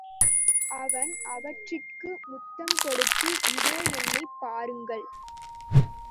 அவன் அவற்றிற்கு முத்தம் கொடுத்து இதோ என்னைப் பாருங்கள்!